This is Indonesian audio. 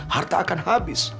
harta akan habis